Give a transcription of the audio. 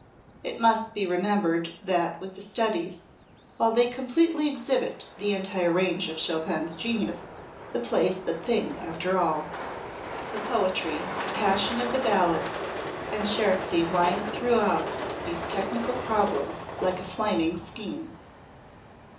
It must be remembered that with the studies, while they completely exhibit the entire range of Chopin's genius, the play's the thing after all. The poetry, the passion of the Ballades and Scherzi wind throughout these technical problems like a flaming skein.